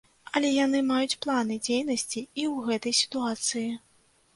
Але яны маюць планы дзейнасці і ў гэтай сітуацыі.